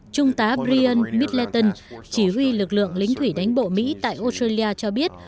trung tá brian mitleton chỉ huy lực lượng lính thủy đánh bộ mỹ tại australia cho biết